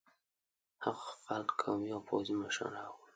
هغه خپل قومي او پوځي مشران را وغوښتل.